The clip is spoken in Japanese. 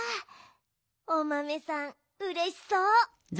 おまめさんうれしそう。